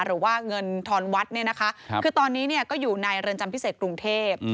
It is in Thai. หรือว่าเงินทอนวัดเนี่ยนะคะคือตอนนี้ก็อยู่ในเรือนจำพิเศษกรุงเทพ